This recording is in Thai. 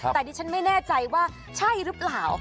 แต่ดิฉันไม่แน่ใจว่าใช่หรือเปล่า